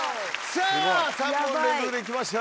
さぁ３問連続でいきました。